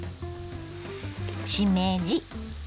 しめじ